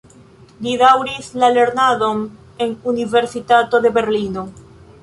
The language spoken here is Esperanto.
Li daŭris la lernadon en Universitato de Berlino.